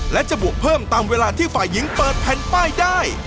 และจะบวกเพิ่มตามเวลาที่ฝ่ายหญิงเปิดแผ่นป้ายได้